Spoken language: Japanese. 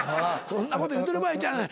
そんなこと言うてる場合ちゃう。